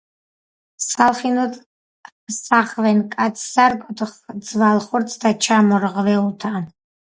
სალხინოდ ჰსახვენ, კაცთ სარგოდ ძვალ-ხორცთა ჩამორღვეულთა.